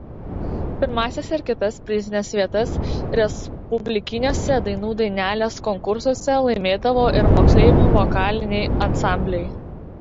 Pirmąsias ir kitas prizines vietas respublikiniuose „Dainų dainelės“ konkursuose laimėdavo ir moksleivių vokaliniai ansambliai.